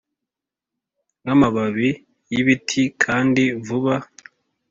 nkamababi yibiti kandi vuba